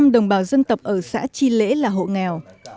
một trăm linh đồng bào dân tộc ở xã chi lễ là hộ nghèo